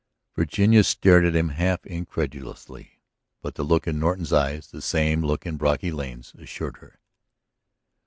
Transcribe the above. Virginia stared at him, half incredulously. But the look in Norton's eyes, the same look in Brocky Lane's, assured her.